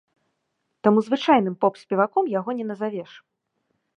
Таму звычайным поп-спеваком яго не назавеш.